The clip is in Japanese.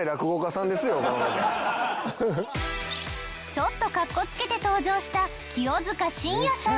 ちょっとかっこつけて登場した清塚信也さん。